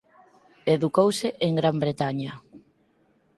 Educouse en Gran Bretaña.